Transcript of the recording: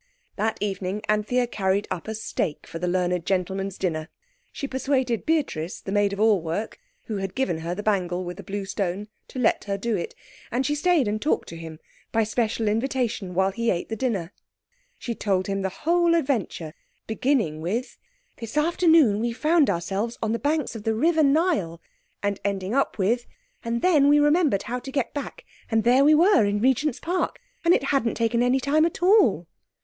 That evening Anthea carried up a steak for the learned gentleman's dinner. She persuaded Beatrice, the maid of all work, who had given her the bangle with the blue stone, to let her do it. And she stayed and talked to him, by special invitation, while he ate the dinner. She told him the whole adventure, beginning with— "This afternoon we found ourselves on the bank of the River Nile," and ending up with, "And then we remembered how to get back, and there we were in Regent's Park, and it hadn't taken any time at all."